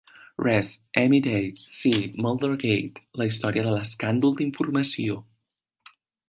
Rees, M i Day, C. Muldergate: La història de l'escàndol d'informació.